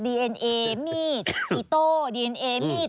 เอ็นเอมีดอิโต้ดีเอนเอมีด